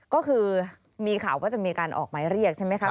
ก็คือมีข่าวว่าจะมีการออกหมายเรียกใช่ไหมครับ